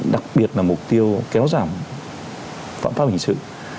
đặc biệt là mục tiêu kéo giảm phạm pháp hình sự